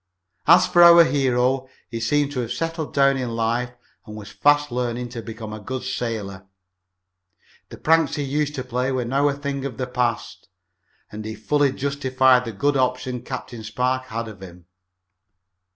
As for our hero, he seemed to have settled down in life and was fast learning to become a good sailor. The pranks he used to play were now a thing of the past, and he fully justified the good opinion Captain Spark had of him.